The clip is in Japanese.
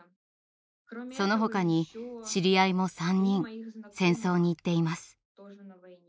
その他に知り合いも３人戦争に行っています。